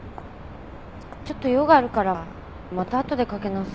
ちょっと用があるからまた後でかけ直す。